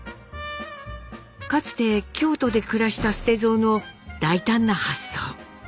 かつて京都で暮らした捨蔵の大胆な発想。